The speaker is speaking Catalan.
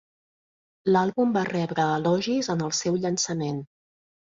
L'àlbum va rebre elogis en el seu llançament.